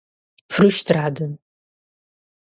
frustrada